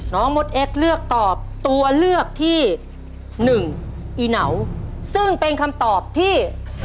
มดเอ็กซเลือกตอบตัวเลือกที่หนึ่งอีเหนาซึ่งเป็นคำตอบที่